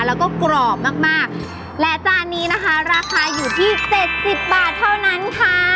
แล้วก็กรอบมากมากและจานนี้นะคะราคาอยู่ที่เจ็ดสิบบาทเท่านั้นค่ะ